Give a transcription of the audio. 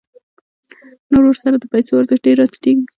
نو ورسره د پیسو ارزښت ډېر راټیټېږي